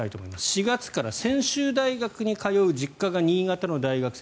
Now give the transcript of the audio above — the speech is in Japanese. ４月から専修大学に通う実家が新潟の大学生。